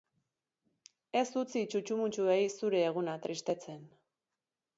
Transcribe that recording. Ez utzi txutxumutxuei zure eguna tristetzen.